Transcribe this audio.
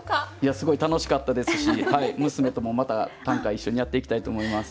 すごい楽しかったですし娘ともまた短歌一緒にやっていきたいと思います。